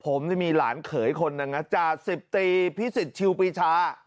ผมนี่มีหลานเขยคนหนึ่งนะจ่าสิบตีพิสิทธิชิวปีชา